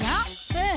うん！